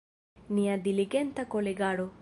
Nia diligenta kolegaro.